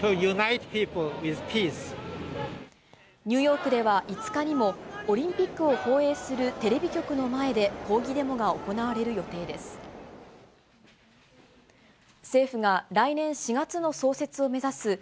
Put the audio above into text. ニューヨークでは５日にも、オリンピックを放映するテレビ局の前で抗議デモが行われる予定です。